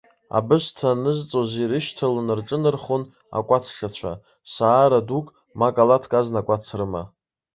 Абысҭа анызҵоз ирышьҭалан рҿынархон акәацшацәа, саара дук, ма калаҭк азна акәац рыма.